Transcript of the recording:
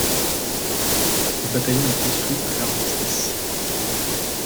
Le bataillon est dissous à l'armistice.